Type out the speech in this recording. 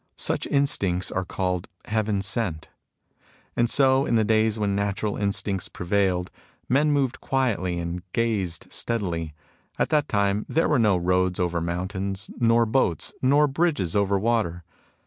Such instincts are called " Heaven sent." And so in the days when natural instincts prevailed, men moved quietly and gazed steadily. At that time, there were no roads over mountains, nor boats, nor bridges over water.